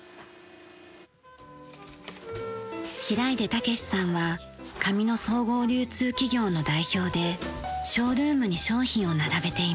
平出武史さんは紙の総合流通企業の代表でショールームに商品を並べています。